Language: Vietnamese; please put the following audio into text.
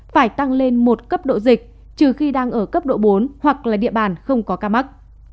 phải tăng lên một cấp độ dịch trừ khi đang ở cấp độ bốn hoặc là địa bàn không có ca mắc